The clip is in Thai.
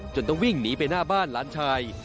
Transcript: ต้องวิ่งหนีไปหน้าบ้านหลานชาย